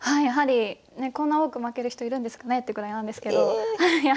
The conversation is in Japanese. やはりねこんな多く負ける人いるんですかねってぐらいなんですけど。